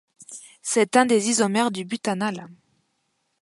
C'est un des isomères du butanal.